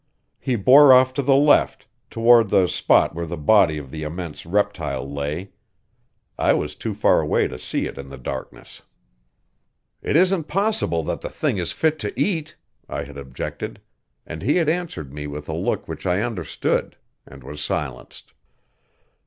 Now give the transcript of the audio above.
He bore off to the left, toward the spot where the body of the immense reptile lay; I was too far away to see it in the darkness. "It isn't possible that the thing is fit to eat," I had objected, and he had answered me with a look which I understood, and was silenced.